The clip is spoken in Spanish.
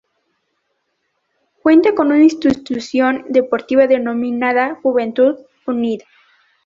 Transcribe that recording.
Cuenta con una institución deportiva denominada Juventud Unida.